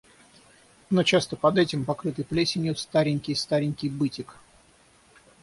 Но часто под этим, покрытый плесенью, старенький-старенький бытик.